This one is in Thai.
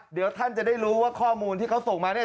เดี๋ยวท่านจะได้รู้ว่าข้อมูลที่เขาส่งมาเนี่ย